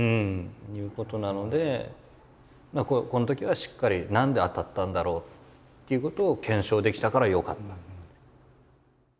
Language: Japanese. っていうことなのでこのときはしっかり何で当たったんだろうっていうことを検証できたからよかった。